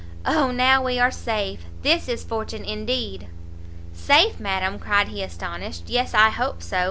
O now we are safe! this is fortunate indeed!" "Safe, Madam," cried he astonished, "yes I hope so!